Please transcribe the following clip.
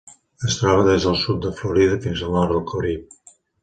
Es troba des del sud de Florida fins al nord del Carib.